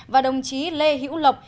và đồng chí lê hữu lộc